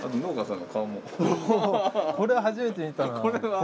これは初めて見たなあ。